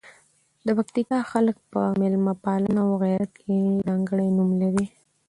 د پکتیکا خلګ په میلمه پالنه او غیرت کې ځانکړي نوم لزي.